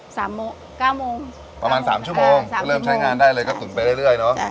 สามโมงเก้าโมงประมาณสามชั่วโมงค่ะเริ่มใช้งานได้เลยก็ตุ๋นไปเรื่อยเรื่อยเนอะใช่